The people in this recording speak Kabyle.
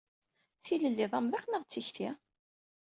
Tilelli d amḍiq neɣ d tikti?